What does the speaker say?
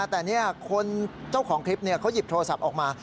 แต่คนเจ้าของคลิปเขาหยิบโทรศัพท์ออกมา